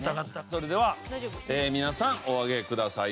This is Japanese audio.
それでは皆さんお上げください。